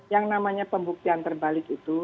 yang namanya pembuktian terbalik itu